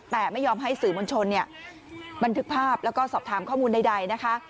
แต่ไม่ยอมให้สื่อมวลชนบันทึกภาพแล้วก็สอบถามข้อมูลใดนะคะ